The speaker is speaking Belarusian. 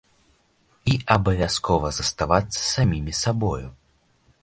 І абавязкова заставацца самімі сабою!